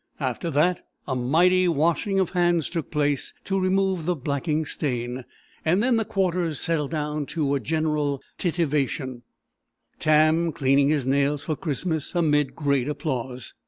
After that a mighty washing of hands took place, to remove the blacking stain; and then the Quarters settled down to a general "titivation," Tam "cleaning his nails for Christmas," amid great applause.